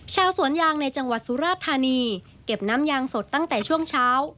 ชาวสวนยางในจังหวัดสุราธานีเก็บน้ำยางสดตั้งแต่ช่วงเช้า